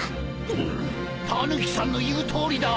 タヌキさんの言うとおりだ！